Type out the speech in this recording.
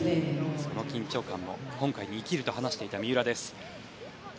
その緊張感も今回に生きると話していた三浦です。